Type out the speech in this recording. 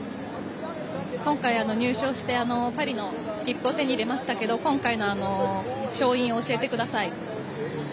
今回、入賞してパリの切符を手に入れましたけど今回の勝因を教えてください。